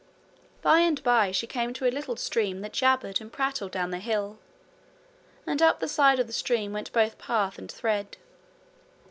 By and by she came to a little stream that jabbered and prattled down the hill, and up the side of the stream went both path and thread.